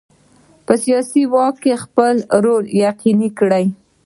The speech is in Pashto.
په سیاسي واک کې خپل رول یقیني کړي.